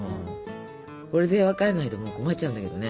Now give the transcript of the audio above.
これで分からないともう困っちゃうんだけどね。